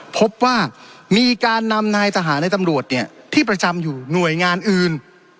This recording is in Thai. พบว่ามีการนำนายทหารในตำรวจเนี่ยที่ประจำอยู่หน่วยงานอื่น